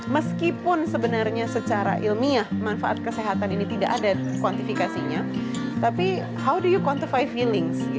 meskipun sebenarnya secara ilmiah manfaat kesehatan ini tidak ada kuantifikasinya tapi how the you quantify feelings